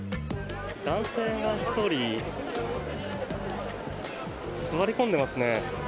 男性が１人座り込んでいますね。